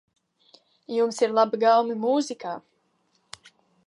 Jums ir laba gaume mūzikā.